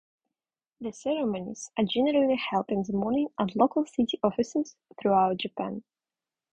The ceremonies are generally held in the morning at local city offices throughout Japan.